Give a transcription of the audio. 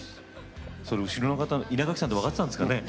後ろの方は稲垣さんと分かっていたんでしょうかね。